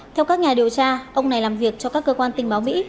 theo các nhà điều tra ông này làm việc cho các cơ quan tình báo mỹ